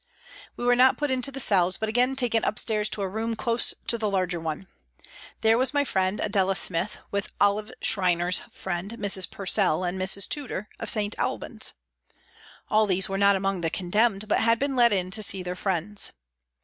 We were not put into the cells, but again taken upstairs to a room close to the larger one. There was my friend, Adela Smith, with Olive Schreiner's friend, Mrs. Purcell, and Mrs. Tudor, of St. Albans. All these were not among the condemned, but had been let in to see their friends.